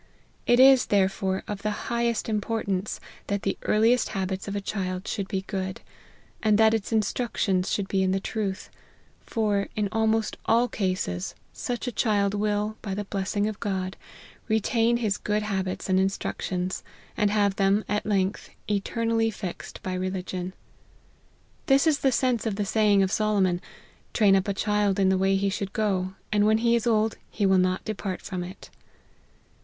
It is, therefore, of the highest importance, that the earliest habits of a child should be good ; and that its instructions should be in the truth ; for, in almost all cases, such a child will, by the bless ing of God, retain his good habits and instructions, and have them, at length, eternally fixed by religion. This is the sense of the saying of Solomon " Train up a child in the way he should go, and when he is old he will not depart from it."